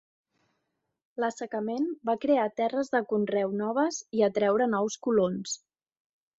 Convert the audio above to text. L'assecament va crear terres de conreu noves i atreure nous colons.